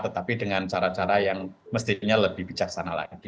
tetapi dengan cara cara yang mestinya lebih bijaksana lagi